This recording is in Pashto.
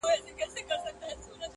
درې څلور يې وه غوايي په طبیله کي٫